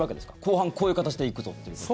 後半、こういう形で行くぞと。